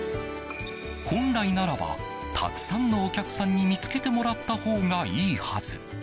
本来ならばたくさんのお客さんに見つけてもらったほうがいいはず。